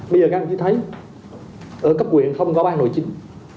bây giờ các bạn có thể thấy ở cấp quyền không có ban nội chính